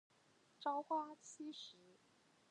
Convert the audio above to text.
朝花夕拾